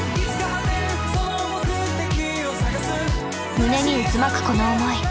胸に渦巻くこの思い。